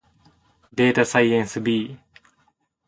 データサイエンス B